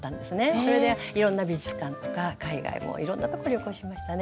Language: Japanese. それでいろんな美術館とか海外もいろんなとこ旅行しましたね。